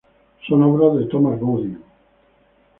Son obras de Thomas Boudin.